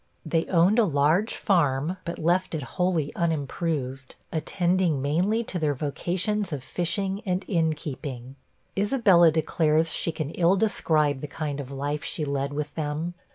They owned a large farm, but left it wholly unimproved; attending mainly to their vocations of fishing and inn keeping. Isabella declares she can ill describe the kind of life she led with them.